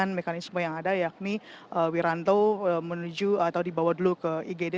dengan mekanisme yang ada yakni wiranto menuju atau dibawa dulu ke igd